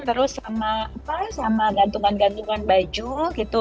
terus sama apa sama gantungan gantungan baju gitu